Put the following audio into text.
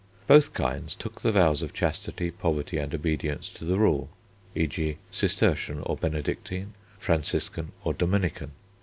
Both kinds took the vows of chastity, poverty, and obedience to the rule (e.g., Cistercian or Benedictine, Franciscan or Dominican).